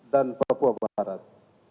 dan papua barat